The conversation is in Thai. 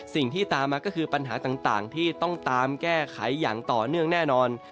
สิ่งที่ตามมาก็คือปัญหาต่างที่ต้องตามแก้ไขอย่างต่อเนื่องแน่นอน